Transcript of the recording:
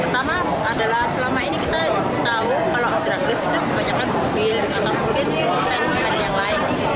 pertama adalah selama ini kita tahu kalau obrak risk itu kebanyakan mobil atau mungkin man yang lain